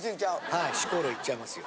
はい四興樓いっちゃいますよ。